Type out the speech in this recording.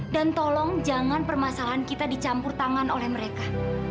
dan tolong jangan permasalahan kita dicampur tangan oleh mereka